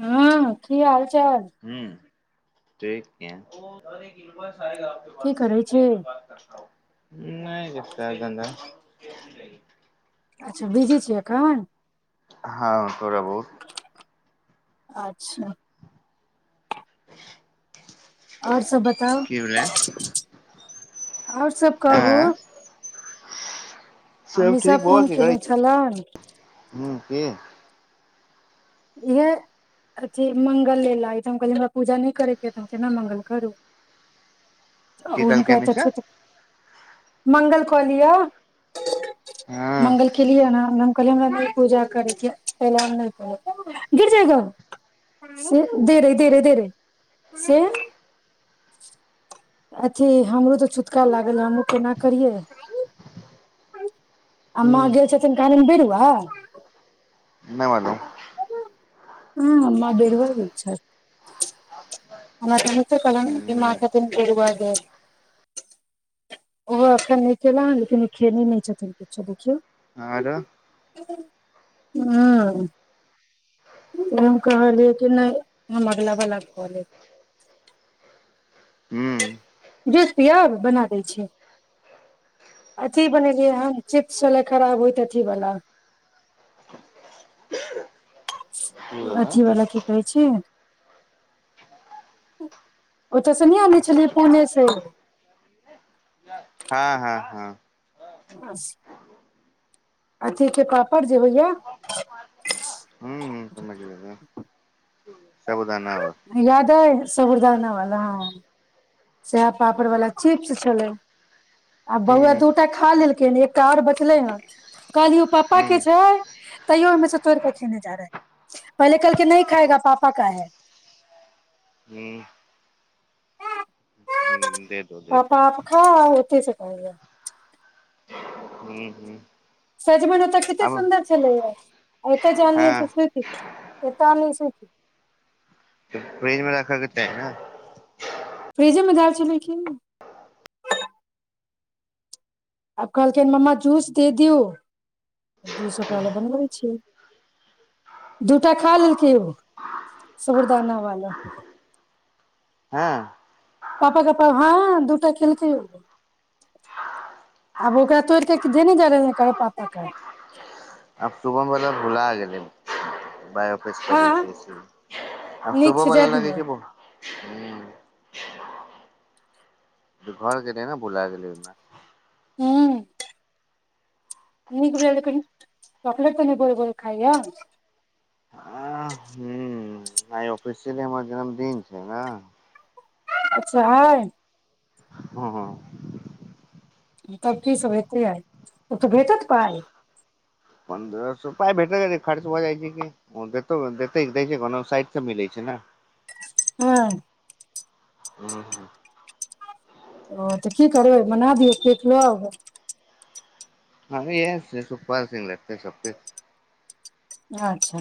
हँ की हाल छै ह ठीक ये की करै छी [unintelligible] नहि हैता धन्दा अच्छा बीजी छी अखन हँ थोड़ा बहुत अच्छह आओर सब बताउ की भेलै आओर सब कहू आँ अमीषा फोन केने छलैन हू की इएह अथी मंगल एलाइ तऽ हम कहलिये पूजा नहि करैके ये तऽ हम केना मंगल करू की कहलकै हुनका तऽ मिशा छुत मंगल कऽ लिअ हँ मंगल केलियना हम कहलिय हमरा नही पूजा करके गिर जायगा से दे रहे दे रहे दे रहे से [inaudible] अथी हमरो तऽ छुटका लागल हमहूँ केना करियै आ हूँ माॅं गैल छथिन कहादन बिड़ुआ नहि मालूम हँ माॅं बिड़ुआ गेल छैथ [unintelligible] ओहो एखन केल लेकिन ओ खेने नहि छथिन किछो देखियौ ह आरो हँ हम कहलियै कि नहि हम अगला बला क लेब हूँ जूस पिअब बना दै छिय अथी बनेलियै हन चिप्स छलै खराब होइत अथीवला की भेलौ अथीवला की कहै छी ओतय नइ आनिये छलियै पुणे से हँ हँ हँ [unintelligible] अथीके पापड़ जे होइए हूँ हूँ [inaudible] सबुदाना सबुरदाना वाला हॅं सेहे पापड़ वाला चिपस छलै आ हूँ बौआ दूटा खा लेलकै ह एकटा आओर बचलै हन कहलियो ओ पापा के हूँ छै तैयो ओहिमे से तोड़ के खेने जा रहे पहिले कहलके नहि खाएगा पापा का है हूं दे दो दे दो हँ होत छै कहलिए हूँ हूँ सजमन ओतय कते आब सुन्दर छलैए यै एतऽ जे आनलियै हँ से देखियो एत नहि सी फ्रिज मे राखलके तेँ जिमेंदार छैलै की आब कहलखिन मम्मा जूस देऽ दियौ जूस ओकरा लए बनबै छियै दूटा खा लेलकै ओ सबुरदाना वाला [inaudible] हँ पापा कापा हँ दूटा खेलके ओ आब ओकरा तोड़िकऽ धने जा रहै पापा का है आब सुभम बला भुला गेलै बाय खस आ पड़ै छै से आ नीक सुबह से जाय बला लागै दियौ छै ब हूँ घर गेलै ने बुला गेलै ओमे हू नीक भेल कनि चॉकलट तऽ नहि बोल बोल खाइय [inaudible] आई ऑफिसियली हमर जन्मदिन छै ने अच्छा हई हाँ हाँ तब की सब हेतैै आई तब तऽ भेटत पाई पन्द्रह सौ पाई भेटय खर्च भऽ जाइ छैे कोनो साइड से मिलै छै ने ह्म्म्म ओ तऽ की करबै मना दियौ केक लआउ हाँ यह सुखपाल सिंह लतै छे अच्छा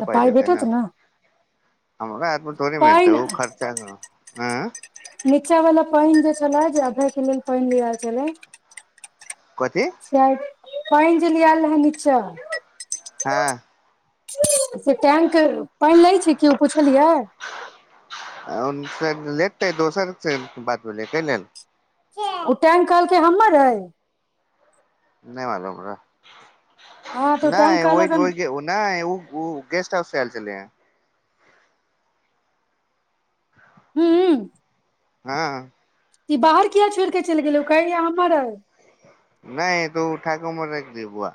तऽ पाइ देतै ने भेटत ना हमरा हाथमे थोड़े मिलतै ओ खर्चा हेतै ने नीचा वाला पानि जे छलै जे अधाई क लेल पान लिया छले कथी से पानि जे लऽ आयल रहै, नीच्चाँ। हाँ से टैंक पाइन लै छै केओ पुछलियै लेतै दोसर से बात भेलै कयलेल ओ टाइम कहलकै हमर अइ नहि मालुम हमरा हँ तऽ ओ टैंक नहि कहलक हन ओहि ओ नहि उ गेस्ट हाउस से एल छले है हूम्म हाँ ई बाहर किया छोड़ि कऽ चलि गेलै कहैे यै हमर अइ नहि तू ठाकुरमर जे भई औ बुआ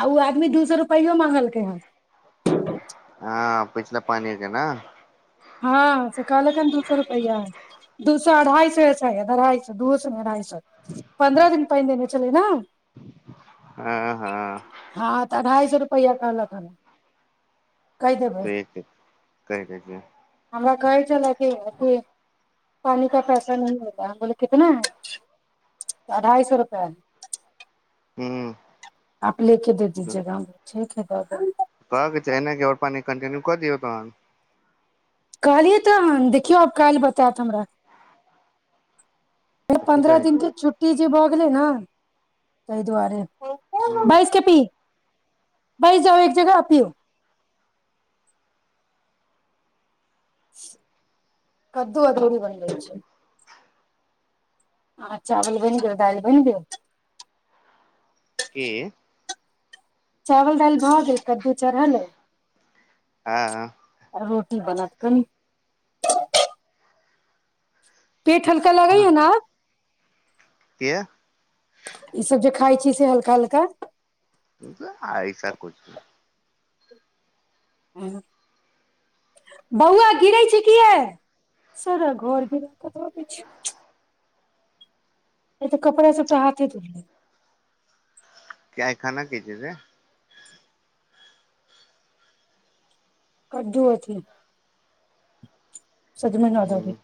आ ओ आदमी दू सौ रुपैयो मंगलकै हन हाँ पिछिला पानी के ने हाँ से कहल कई दू सौ रुपैया दू सौ अढ़ाई सौ य अढ़ाई सौ दू सौ नहि अढ़ाई सौ पन्द्रह दिन पहिनेेन लेले छलै नै हाँ हाँ तऽ अढ़ाई रुपैया कहलक हन कहि देबयै ठीक कहि कै दैछियै हमरा कहै छल कि कि पानी का पैसा न होता बोले कितना है अढ़ाई सौ रुपा है ह आप लेके दे दीजेगा ठीक है देदेंगे कहक छै एना के ओर पानी कटिन्यू क दियौ तहन कहलियै तऽ देखियौ, आब काल्हि बतेत हमरा। फेर तऽ की पन्द्रह कहै छै दिनक छुट्टी जे भऽ गेलै ने, तहि दुआरे। ह बइस के पी बइस जाउ एक जगह आ पिउ कद्दू अगरे भी बन ल छै ह चावल बनि गैल दाल बनि गैल के चावल दाल भ गेल कद्दू चढ़ल यै की बनत कनि पेट हल्का लगाय ने आब के ईसभ जे खाइ छी, से हल्का-हल्का। कहा कछ बौआ गिरै छै। की यै सारा घोर के गिल क आबैत छै। ए तऽ कपड़ा सबटा हाथे धै किया खाना की चीज हेते कद्दू अथि सजमैन अदउरी ह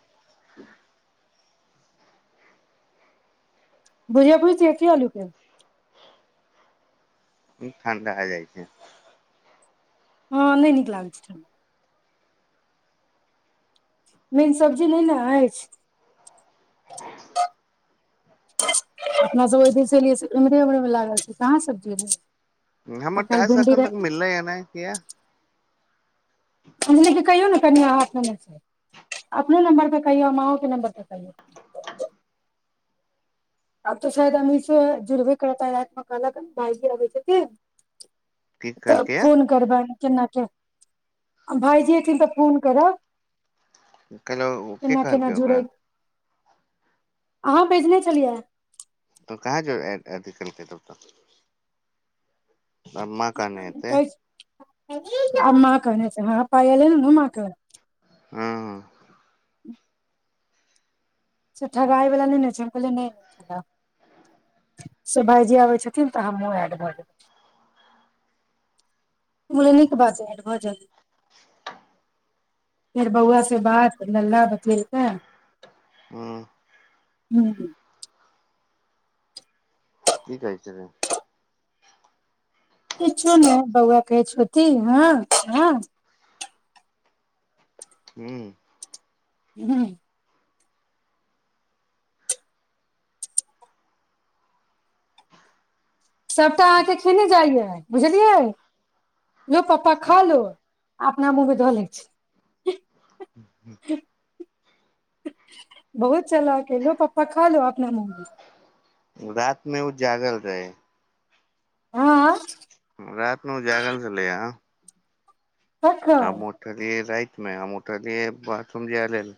भुजिया बुजियआ की अलू के उ ठण्डा जाइ छै। हँ नहि नीक लागै छै ठंडा मेन सब्जी नइ न अछि अपना सब ओ दिनर से एलियै से इमहरे उमहरे मे लागल छी कहाँ सबजी एलै तऽ हमर काल्हि टाइस भिंडी एखन रहे तक मिललै ह ने किया हमले क कहियौ ने कनि एत ओहने से अपनो नम्बर पे कहियए आ माँओ के नम्बर पे कहियौ आब त शायद अमिशे जुरबे करत कहलक हन भायजी आबैत छथिन की तऽ कहलकै फोन करबैन केना कि भइजी एथिन त फोन कर कहलहु के कहलकै जुड़ै ओकरा अहाँ भेजने छलियै तो कहाँ जो अथि केलके तब त बम्मा कहते हेतै अम्मा कहने छै। हँ अप्पा एले न अम्मा क हँ ह से ठगाइवला नहि न छै। हम कहलियै नहि ठगाइव से भाइजी आबै छथिन त हमहूँ एड भ जैव [unintelligible] फेर बौआ से बात भेला ब ठीक ह हँ ह की कहै छलै कछु ने बौआ कहै छती हँ ह हू हू सभटा अहाँके खेने जाइया बुझलियै लू पापा खालू अपना मुहमे धअ लै छै बहुत चला के लो पापा खा लू अपना मुँहमे रातिमे ओ जागल हँअ रात नू जगलस छलै हन हम तखन उठलियौ राइत म हम उठलियो बथरूम जै लेल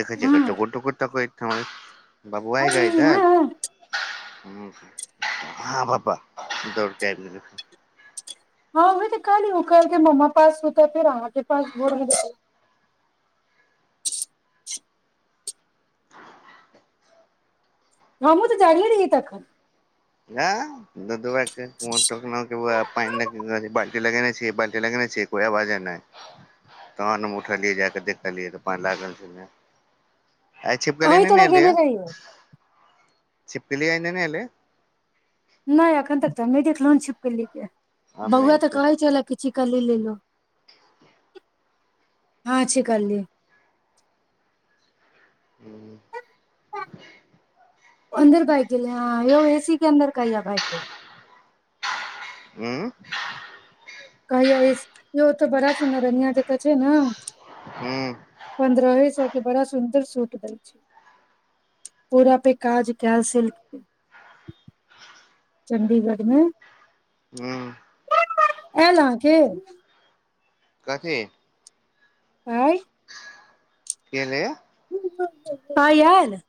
देखैय छियै एकरा हँ टुकुर टुकुर ताकैत बबुआइ अरे जाइत हैत हँ ह हँ पापा दौड़ के आइब गेलै हँ ओह तऽ कहली करलके ममा पास सुतब फेर अहाँके पास भोर मे देखलियै हमू तऽ जागले रहियै तखन [unintelligible] लगेने छियै बाल्टी लगेने छियै कोइ आवाज नहि तहन हम उठलियै जा के देखलियै त पानि लागल छलै आइ छिपकली अहीं नय तऽ न एले लगेने यै रहियै छिपकिली आइ नय न एले नहि एखन तक तऽ नहि देखलहुन छिपकली के आब नहि बौआ तऽ एतै कहै छलय कि चिकली लो हँ छिकली [unintelligible] पा अन्दर भाइग गेल ह यौ एसी के अन्दर कहैया भाइग गेल ह कहैया एसी यो तऽ बड़ा सुन्दर अन इहां तऽ तऽ छै न ह पन्द्रहे सौ के बड़ा सुन्दर सुट दै छै पूरा पे काज कैल सिल्क चण्डीगढ़मे ह्म आयल अहाँके कथी पाई के एलै य पाई एल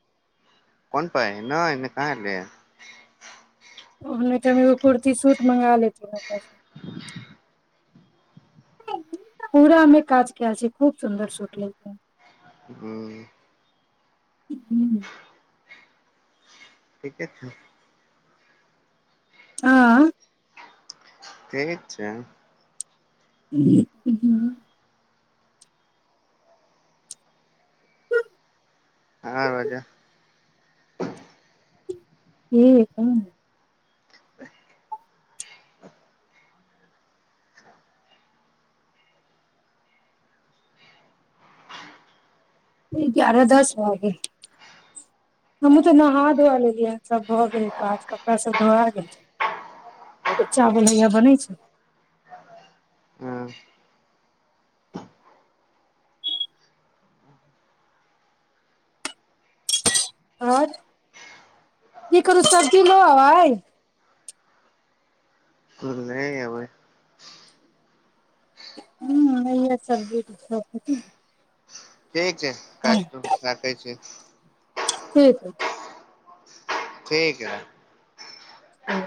कोन पाइ नै नै कहां एलैया ओहने तऽ हम एगो कुर्ती सूट मंगा लेतौं [inaudible] पूरा ओमे काज कयल छै खूब सुन्दर सुट लगैत ह ह ठीके आँ ठीक छै ह अहां बाजह कि कहुं न ग्यारह दस भऽ गेल हमहूँ तऽ नहा धोआ लेलियै सभ भऽ गेलै काज कपड़ा सभ धोआ गेलै एगो चावल हैया बनै छै ह आर की करू सब्जी लौ आउ आइ नहि अबै ह भैया सब्जी सब ल एथिन ठीक छै काटू कटै छि ठीक अछि ठीकी य हू